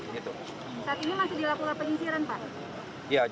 saat ini masih dilakukan penyisiran pak